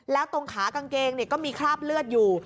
แล้วตรงขากางเกงก็มีคราบเลือดอยู่